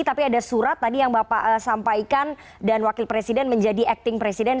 tapi ada surat tadi yang bapak sampaikan dan wakil presiden menjadi acting presiden